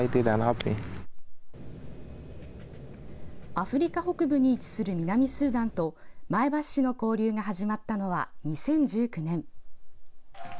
アフリカ北部に位置する南スーダンと前橋市の交流が始まったのは２０１９年。